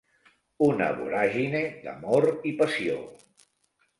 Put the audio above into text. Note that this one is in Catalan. Una voràgine d'amor i passió.